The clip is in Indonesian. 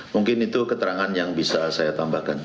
mungkin itu keterangan yang bisa saya tambahkan